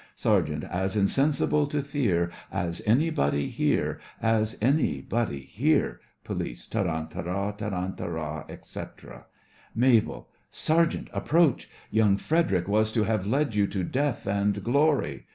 SERGEANT: As insensible to fear As anybody here, As anybody here. POLICE: Tarantara! tarantara!, etc. MABEL: Sergeant, approach! Young Frederic was to have led you to death and glory.